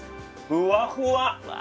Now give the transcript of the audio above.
ふわふわ。